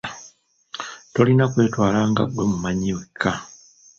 Tolina kwetwala nga ggwe mumanyi wekka.